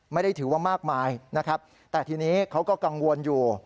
ไม่ได้ถือว่ามากมายนะครับแต่ทีนี้เขาก็กังวลอยู่